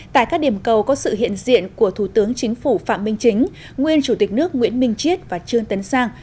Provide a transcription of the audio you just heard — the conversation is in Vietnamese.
tại các điểm cầu có sự hiện diện của thủ tướng chính phủ phạm minh chính nguyên chủ tịch nước nguyễn minh chiết và trương tấn sang